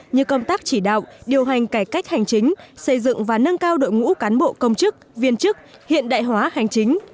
như công tác chỉ đạo điều hành cải cách hành chính xây dựng và nâng cao đội ngũ cán bộ công chức viên chức hiện đại hóa hành chính